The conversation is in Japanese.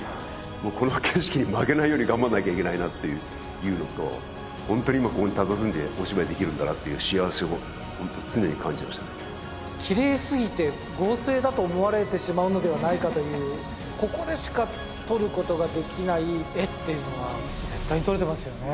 もうこの景色に負けないように頑張んなきゃいけないなっていうのとホントに今ここにたたずんでお芝居できるんだなっていう幸せをホント常に感じましたねキレイすぎて合成だと思われてしまうのではないかというここでしか撮ることができない画っていうのは絶対に撮れてますよね